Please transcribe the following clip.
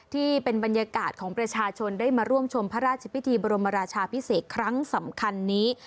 ที่เป็นบรรยากาศของประชาชนได้มาร่วมชมพระราชพิธีบรมราชาพิเศษครั้งสำคัญนี้